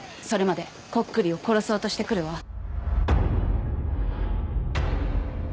それまでコックリを殺そうとしてくるわ。